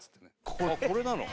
「これなの？」